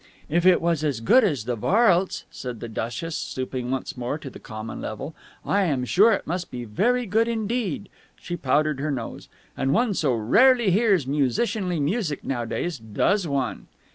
"If it is as good as the varlse," said the duchess, stooping once more to the common level, "I am sure it must be very good indeed." She powdered her nose. "And one so rarely hears musicianly music nowadays, does one?"